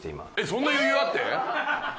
そんな余裕あって？